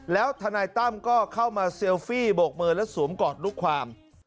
แล้วทนายตั้มก็เข้ามาเซลฟี่โบกมือและสวมกอดลูกความ